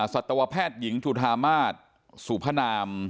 ศตวแพทย์หญิงสุธามาตสู่พนาม